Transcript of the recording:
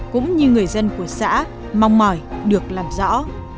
cũng như người dân của xã mong mỏi được làm rõ